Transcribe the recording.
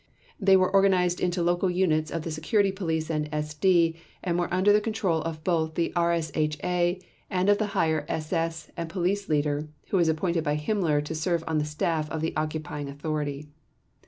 They were organized into local units of the Security Police and SD and were under the control of both the RSHA and of the Higher SS and Police Leader who was appointed by Himmler to serve on the staff of the occupying authority.